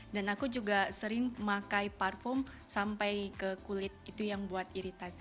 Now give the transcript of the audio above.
dan aku juga sering pakai parfum sampai ke kulit itu yang buat iritasi